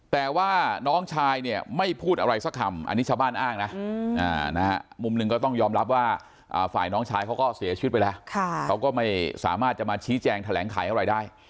แต่ว่าน้องชายเนี่ยไม่พูดอะไรสักคำอันนี้ชาวบ้านอ้างนะมุมหนึ่งก็ต้องยอมรับว่าฝ่ายน้องชายเขาก็เสียชีวิตไปแล้วเขาก็ไม่สามารถจะมาชี้แจงแถลงไขอะไรได้